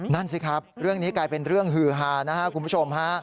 นั่นสิครับเรื่องนี้กลายเป็นเรื่องฮือฮานะครับคุณผู้ชมฮะ